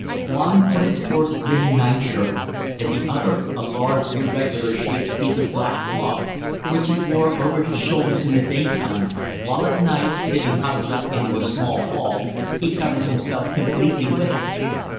One was a coarse linen nightshirt, and the other a large irregular shaped piece of black cloth, which he wore over his shoulders in the day time, while at night, sitting huddled up into a small ball, he covered himself completely with it.